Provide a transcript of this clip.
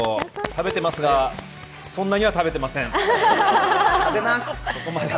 食べてますがそんなには食べてません、そこまでは。